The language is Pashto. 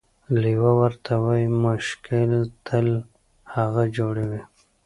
لیوه ورته وايي: مشکل تل هغه جوړوي،